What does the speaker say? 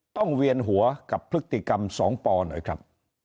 เวียนหัวกับพฤติกรรมสองปอหน่อยครับ